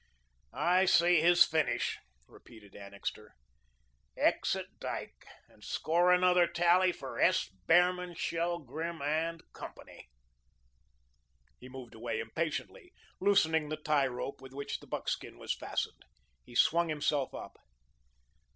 "I see his finish," repeated Annixter. "Exit Dyke, and score another tally for S. Behrman, Shelgrim and Co." He moved away impatiently, loosening the tie rope with which the buckskin was fastened. He swung himself up.